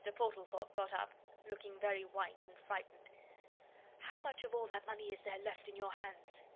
Portlethorpe got up, looking very white and frightened. "How much of all that money is there left in your hands?"